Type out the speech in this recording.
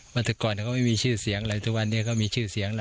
วันตะกรก็ไม่มีชื่อเสียงเลยทุกวันนี้ก็มีชื่อเสียงแล้ว